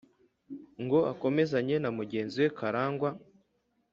ngo akomezanye na mugenzi we. Karangwa